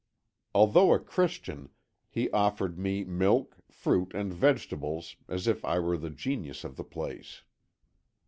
Although a Christian, he offered me milk, fruit, and vegetables as if I were the genius of the place.